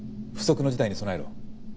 不測の事態に備えろ。